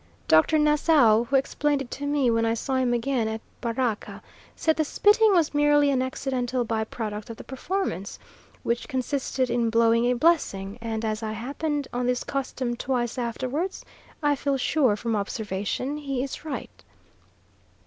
Dr. Nassau, who explained it to me when I saw him again down at Baraka, said the spitting was merely an accidental by product of the performance, which consisted in blowing a blessing; and as I happened on this custom twice afterwards, I feel sure from observation he is right.